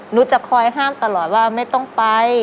หนูจะคอยห้ามตลอดว่าไม่ต้องไป